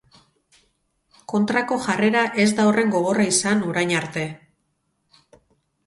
Kontrako jarrera ez da horren gogorra izan, orain arte.